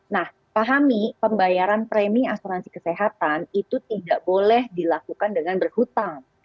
nah pahami pembayaran premi asuransi kesehatan itu tidak boleh dilakukan dengan berhutang